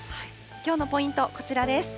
きょうのポイント、こちらです。